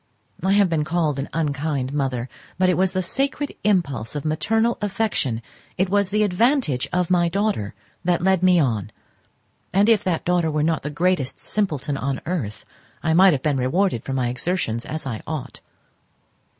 I have been called an unkind mother, but it was the sacred impulse of maternal affection, it was the advantage of my daughter that led me on; and if that daughter were not the greatest simpleton on earth, I might have been rewarded for my exertions as I ought.